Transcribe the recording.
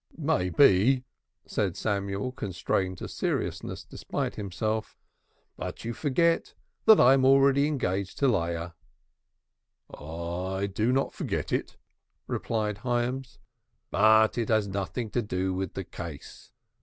"May be," said Samuel, constrained to seriousness despite himself. "But you forget that I am already engaged to Leah." "I do not forget it," replied Hyams, "but it has nothing to do with the case.